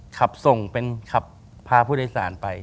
ขับส่งเป็นขับพาผู้โดยสารไป